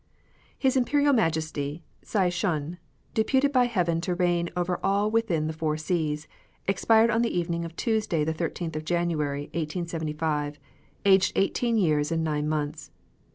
His Imperial Majesty, Tsai Shun, deputed by Heaven to reign over all within the four seas, expired on the evening of Tuesday the 13th January 1875, aged eighteen years and nine months.